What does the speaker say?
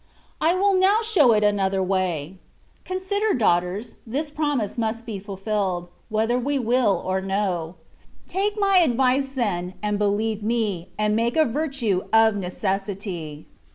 I will now show it another way. Consider, 160 THE WAY OF PERFECTION. daughters^ tkis promise must be fulfilled, whether we wiU or no : take my advice then, and believe me, and make a virtue of necessity.